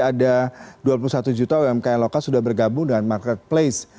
ada dua puluh satu juta umkm lokal sudah bergabung dengan marketplace